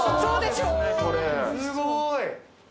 すごい。